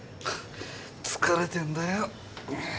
疲れてんだよ。